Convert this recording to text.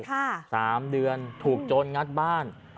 สามเดือนถูกโจรงัดบ้าน